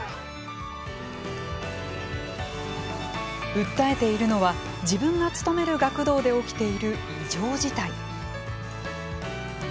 訴えているのは自分が勤める学童で起きている異常事態。